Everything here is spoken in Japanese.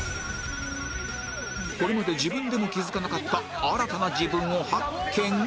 これまで自分でも気付かなかった新たな自分を発見？